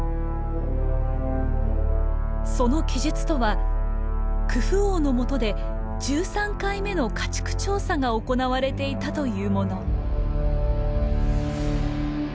その記述とはクフ王のもとで１３回目の家畜調査が行われていたというもの。